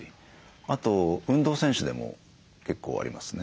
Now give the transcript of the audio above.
あと運動選手でも結構ありますね。